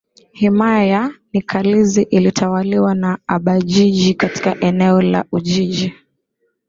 Himaya ya Nkalizi ilitawaliwa na abajiji katika eneo la ujiji